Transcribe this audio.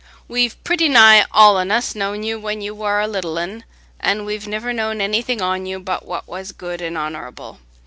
We've pretty nigh all on us known you when you war a little un, an' we've niver known anything on you but what was good an' honorable.